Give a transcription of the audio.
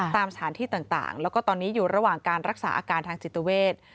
ตามสถานที่ต่างแล้วก็ตอนนี้อยู่ระหว่างการรักษาอาการทางจิตเวท